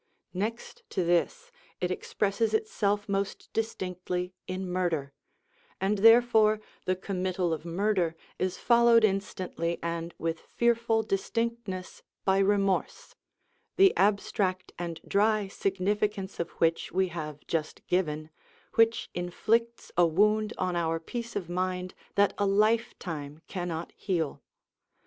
Next to this, it expresses itself most distinctly in murder; and therefore the committal of murder is followed instantly and with fearful distinctness by remorse, the abstract and dry significance of which we have just given, which inflicts a wound on our peace of mind that a lifetime cannot heal.